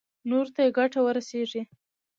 نورو ته يې ګټه ورسېږي.